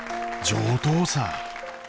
上等さー。